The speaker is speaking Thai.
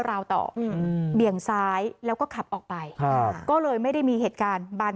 ราวต่ออืมเบี่ยงซ้ายแล้วก็ขับออกไปฮะก็เลยไม่ได้มีเหตุการณ์บาน